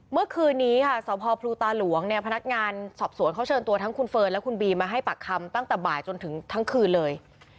เมื่อคืนนี้ค่ะสพพลูตาหลวงเนี่ยพนักงานสอบสวนเขาเชิญตัวทั้งคุณเฟิร์นและคุณบีมาให้ปากคำตั้งแต่บ่ายจนถึงทั้งคืนเลย